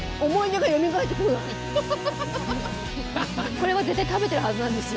これは絶対食べてるはずなんですよ。